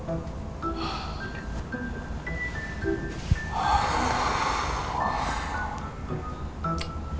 aku juga beb